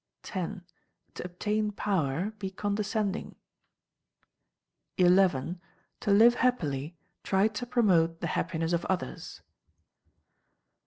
x. To obtain power, be condescending. xi. To live happily, try to promote the happiness of others.